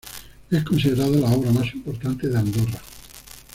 Es considerada la obra más importante de Andorra.